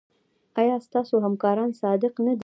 ایا ستاسو همکاران صادق نه دي؟